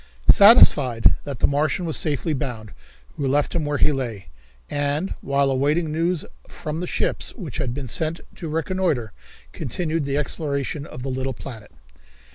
Satisfied that the Martian was safely bound, we left him where he lay, and, while awaiting news from the ships which had been sent to reconnoitre, continued the exploration of the little planet.